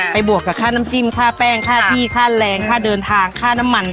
บวกกับค่าน้ำจิ้มค่าแป้งค่าที่ค่าแรงค่าเดินทางค่าน้ำมัน